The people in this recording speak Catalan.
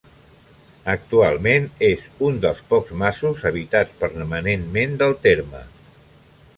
Actualment és un dels pocs masos habitats permanentment del terme.